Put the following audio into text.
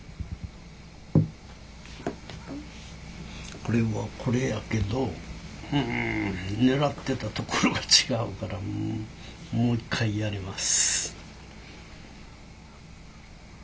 これはこれやけど狙ってたところが違うからもう一回やります。